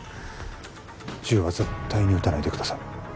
銃は絶対に撃たないでください